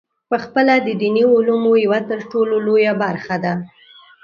پخپله د دیني علومو یوه ترټولو لویه برخه ده.